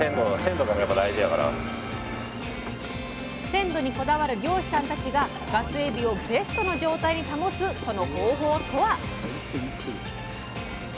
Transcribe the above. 鮮度にこだわる漁師さんたちがガスエビをベストの状態に保つその方法とは？